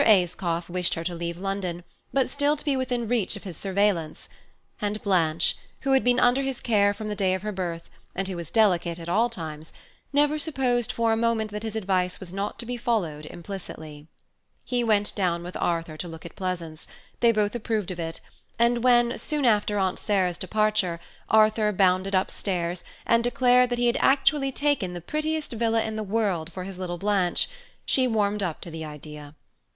Ayscough wished her to leave London, but still to be within reach of his surveillance; and Blanche, who had been under his care from the day of her birth, and who was delicate at all times, never supposed for a moment that his advice was not to be followed implicitly. He went down with Arthur to look at Pleasance, they both approved of it, and when, soon after Aunt Sarah's departure, Arthur bounded upstairs, and declared that he had actually taken the prettiest villa in the world for his little Blanche, she warmed up to the idea.